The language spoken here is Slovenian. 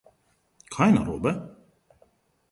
Kaj je narobe?